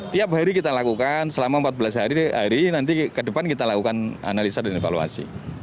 tiap hari kita lakukan selama empat belas hari nanti ke depan kita lakukan analisa dan evaluasi